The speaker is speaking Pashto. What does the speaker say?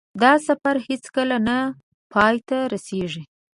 دا سفر هېڅکله نه پای ته رسېږي.